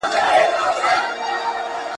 توتکیه ځان هوښیار درته ښکاریږي ,